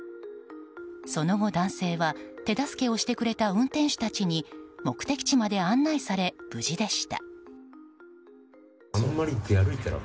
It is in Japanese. その後、男性は手助けをしてくれた運転手たちに目的地まで案内され、無事でした。